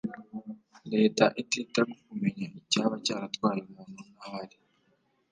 Leta itita ku kumenya icyaba cyaratwaye umuntu n’aho ari